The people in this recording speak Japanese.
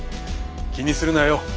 気にするなよ。